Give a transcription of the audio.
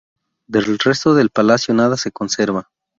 Del resto del palacio nada se conserva.